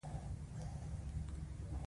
ښایست د مهربان نظر ساه ده